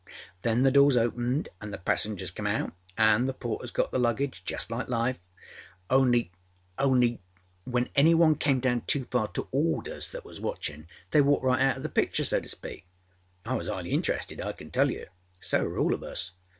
Then the doors opened and the passengers came out and the porters got the luggageâjust like life. Onlyâonly when any one came down too far towards us that was watchinâ, they walked right out oâ the picture, so to speak. I was âighly interested, I can tell you. So were all of us.